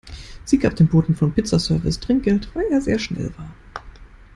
Sie gab dem Boten vom Pizza-Service Trinkgeld, weil er sehr schnell war.